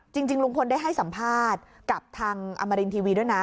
จริงลุงพลได้ให้สัมภาษณ์กับทางอมรินทีวีด้วยนะ